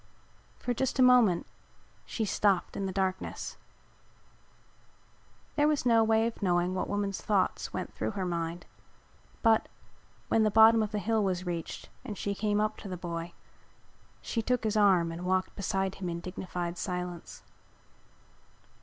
For just a moment she stopped in the darkness. There was no way of knowing what woman's thoughts went through her mind but, when the bottom of the hill was reached and she came up to the boy, she took his arm and walked beside him in dignified silence.